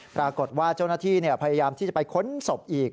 ปรากฏว่าเจ้าหน้าที่พยายามที่จะไปค้นศพอีก